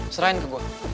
serahin ke gue